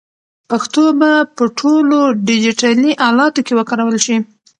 پښتو به په ټولو ډیجیټلي الاتو کې وکارول شي.